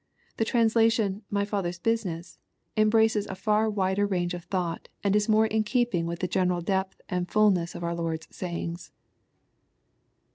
The translation "my Father's business" embraces a far wider range of thought^ and is more in keeping with the general depth and fulness of our Lord's sayings.